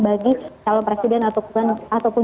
bagi calon presiden ataupun